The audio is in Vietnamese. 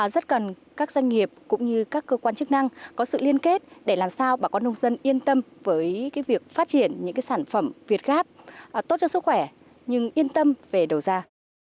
rất cần các doanh nghiệp cũng như các cơ quan chức năng có sự liên kết để làm sao bà con nông dân yên tâm với việc phát triển những sản phẩm việt gáp tốt cho sức khỏe nhưng yên tâm về đầu ra